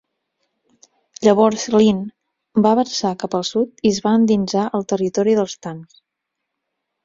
Llavors Lin va avançar cap al sud i es va endinsar al territori dels Tang.